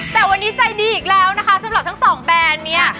แต่วันนี้ใจดีอีกแล้วนะคะสำหรับทั้งสองแบรนด์เนี่ย